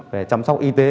để chăm sóc y tế